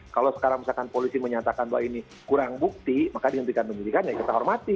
kalau sekarang misalkan polisi menyatakan bahwa ini kurang bukti maka dihentikan penyidikan ya kita hormati